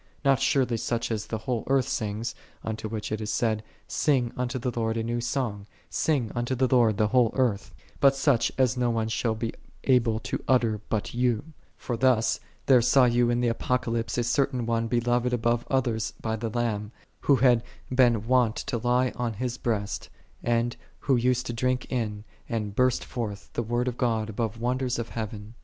Not surely such as the whole earth singeth, unto which it is said, " Sing unto the Lord a new song; sing unto the ' M;itt. XX. 9. 10. 4 i Cor. xii. 18. " i Cor. S John 3 i Cor. xv. 41, 42. 6 Luke xii. 35, 36. Lord, the whole earth "': but such as no one shall l)e able to utter but you. For thus there saw you in the Apocalypse a certain one 8 beloved above others by the Lamb, who had been wont to lie on His breast, and who used to drink in, and burst9 forth, the Word of God above wonders of heaven.